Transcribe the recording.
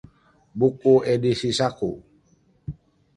buku edisi saku